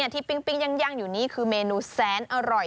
ที่ยังยั่งคือเมนูแสนอร่อย